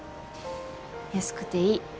安くていい。